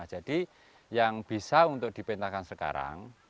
jadi yang bisa untuk dipintakan sekarang